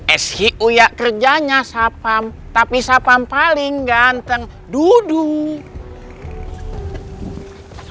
eski uya kerjanya sapam tapi sapam paling ganteng dudung